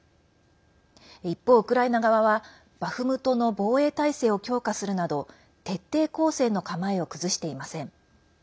一方、ウクライナ側はバフムトの防衛態勢を強化するなど徹底抗戦の構えを崩していません。